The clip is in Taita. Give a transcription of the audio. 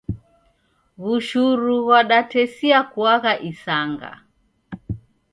W'ushuru ghwadatesia kuagha isanga.